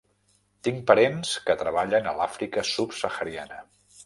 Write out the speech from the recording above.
Tinc parents que treballen a l'Àfrica subsahariana.